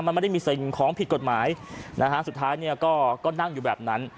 มันไม่ได้มีสิ่งของผิดกฎหมายนะฮะสุดท้ายเนี่ยก็นั่งอยู่แบบนั้น